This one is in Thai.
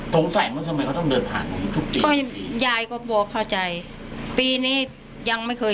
สงสัยมันทำไมเขาต้องเดินผ่านทุกปีนี้ยังไม่เคย